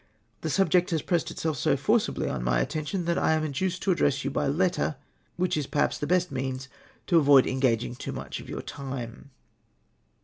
The subject has pressed itself so forcibly on ni}^ attention, tliat I am induced to address you by letter, whicli is perliaps the best means to avoid engaging too much of your time.